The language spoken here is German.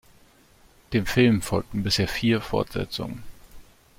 Dem Film folgten bisher vier Fortsetzungen.